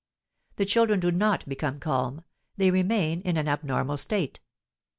The children do not become calm: they remain in an abnormal state.